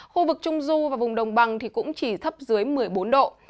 khu vực trung du và vùng đồng bằng thì cũng chỉ thấp dưới một mươi bốn độ